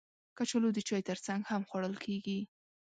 کچالو د چای ترڅنګ هم خوړل کېږي